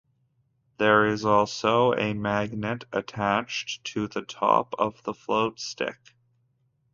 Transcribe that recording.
There is also a magnet attached to the top of the floatstick.